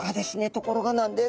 ところがなんです。